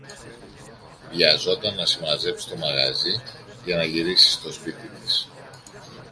βιαζόταν να συμμαζέψει το μαγαζί για να γυρίσει στο σπίτι της